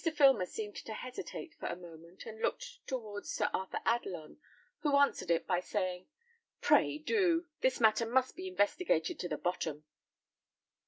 Filmer seemed to hesitate for a moment, and turned a look towards Sir Arthur Adelon, who answered it by saying, "Pray do; this matter must be investigated to the bottom."